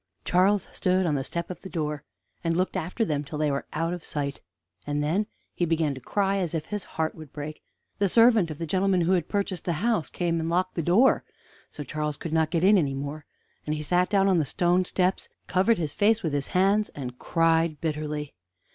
Charles stood on the step of the door, and looked after them till they were out of sight; and then he began to cry as if his heart would break. The servant of the gentleman who had purchased the house came and locked the door, so Charles could not get in any more, and he sat down on the stone steps, and covered his face with his hands, and cried bitterly.